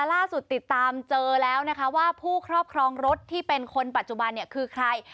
ล่าสุดติดตามเจอแล้วนะคะว่าผู้ครอบครองรถที่เป็นคนปัจจุบันเนี่ยคือใคร